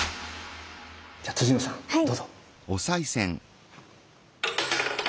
じゃあ野さんどうぞ。